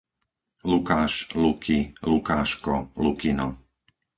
Lukáš, Luki, Lukáško, Lukino